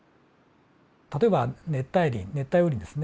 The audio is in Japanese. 例えば熱帯林熱帯雨林ですね。